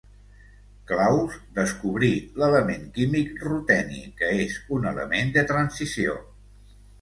Claus descobrí l'element químic ruteni, que és un element de transició.